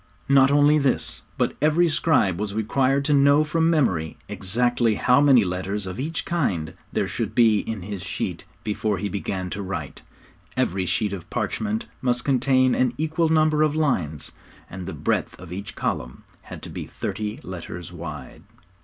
Not only this, but every scribe was required to know from memory exactly how many letters of each kind there should be in his sheet before he began to write. Every sheet of parchment must contain an equal number of lines, and the breadth of each column had to be thirty letters wide.